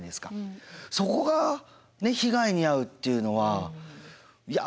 そこが被害に遭うっていうのはいや